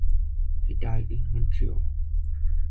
He died in Montreal.